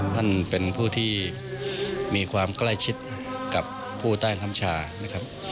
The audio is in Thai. ท่านเป็นผู้ที่มีความใกล้ชิดกับผู้ใต้น้ำชานะครับ